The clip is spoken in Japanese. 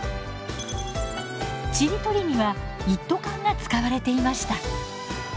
ちりとりには一斗缶が使われていました。